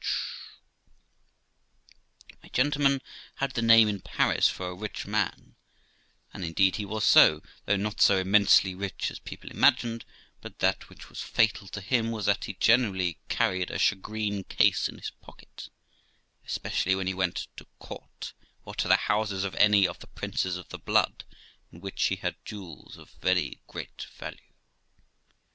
THE LIFE OF ROXANA 223 i My gentleman had the name in Paris for a rich man, and indeed h was so, though not so immensely rich as people imagined ; but that which was fatal to him was, that he generally carried a shagreen case in his pocket, especially when he went to court, or to the houses of any of the princes of the blood, in which he had jewels of very great value.